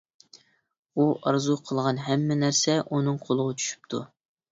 ئۇ ئارزۇ قىلغان ھەممە نەرسە ئۇنىڭ قولىغا چۈشۈپتۇ.